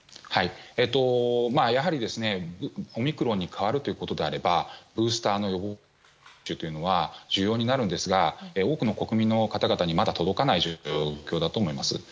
やはり、オミクロンに代わるということであればブースターというのは重要になるんですが多くの国民の方々にまだ届かない状況だと思います。